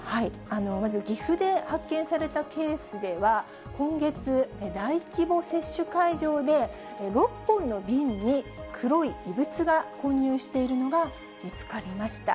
まず岐阜で発見されたケースでは、今月、大規模接種会場で、６本の瓶に黒い異物が混入しているのが見つかりました。